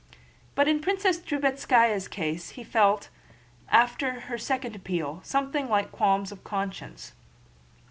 But in Princess Drubetskáya's case he felt, after her second appeal, something like qualms of conscience.